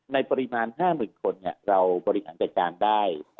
ในประหลาด๕๐๐๐๐คนเราบริการกระจารได้